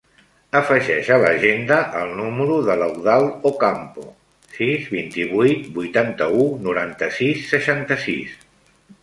Afegeix a l'agenda el número de l'Eudald Ocampo: sis, vint-i-vuit, vuitanta-u, noranta-sis, seixanta-sis.